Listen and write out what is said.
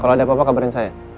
kalau ada apa apa kabarin saya